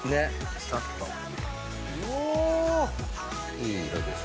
いい色ですね。